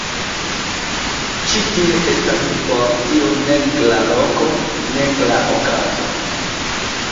Ĉi tie estas por tio nek la loko, nek la okazo.